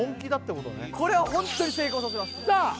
これはホントに成功させますさあ！